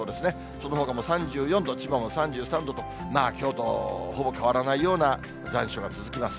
そのほかも３４度、千葉も３３度と、まあ、きょうとほぼ変わらないような残暑が続きます。